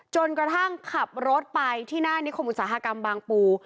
จนกระทั่งขับรถไปที่หน้านิคมอุตสาหกรรมบางปู